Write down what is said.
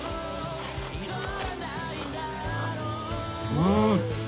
うん！